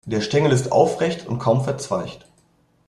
Der Stängel ist aufrecht und kaum verzweigt.